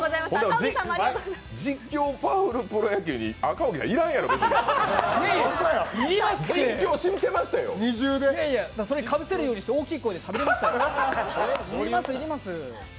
「実況パワフルプロ野球」なんやからかぶせるようにして大きな声でしゃべりました。